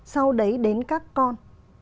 sau đấy đến các con